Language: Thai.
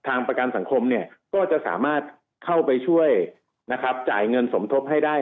ทางประกันสังคมก็จะสามารถเข้าไปช่วยจ่ายเงินสมทบให้ได้๖๒